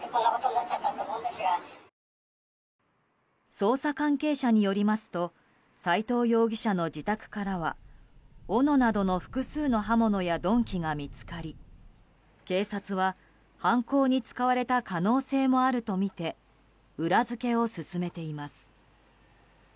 捜査関係者によりますと斎藤容疑者の自宅からはおのなどの複数の刃物や鈍器が見つかり警察は犯行に使われた可能性もあるとみて裏付けを進めています。